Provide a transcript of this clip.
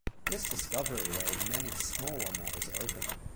This discovery laid many smaller matters open.